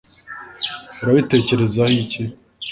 urabitekerezaho iki